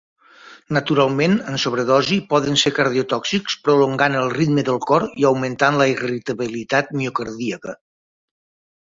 Naturalment, en sobredosi, poden ser cardiotòxics, prolongant el ritme del cor i augmentant la irritabilitat miocardíaca.